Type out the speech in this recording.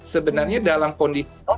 sebenarnya dalam kondisi normal